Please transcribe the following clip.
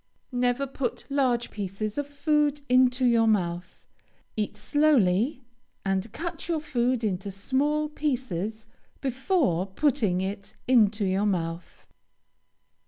Never put large pieces of food into your mouth. Eat slowly, and cut your food into small pieces before putting it into your mouth.